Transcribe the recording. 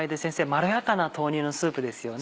まろやかな豆乳のスープですよね。